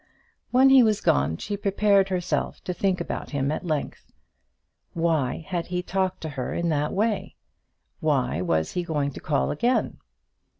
When he was gone she prepared herself to think about him at length. Why had he talked to her in that way? Why was he going to call again?